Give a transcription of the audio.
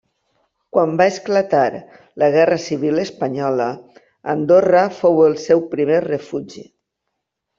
Quan va esclatar la guerra civil espanyola, Andorra fou el seu primer refugi.